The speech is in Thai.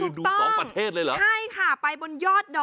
สุดยอดน้ำมันเครื่องจากญี่ปุ่น